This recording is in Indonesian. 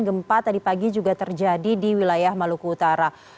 gempa tadi pagi juga terjadi di wilayah maluku utara